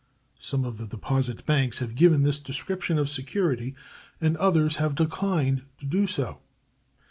Some of the deposit banks have given this description of security and others have declined to do so.